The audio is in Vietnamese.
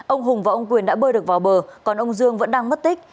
ông hùng và ông quyền đã bơi được vào bờ còn ông dương vẫn đang mất tích